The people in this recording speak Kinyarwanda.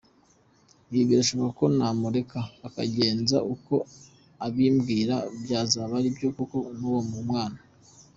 Ese birashoboka ko namureka akabigenza uko abimbwira byazaba aribyo koko ko uwo mwana